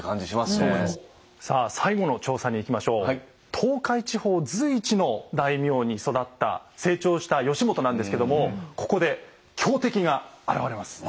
東海地方随一の大名に育った成長した義元なんですけどもここで強敵が現れます。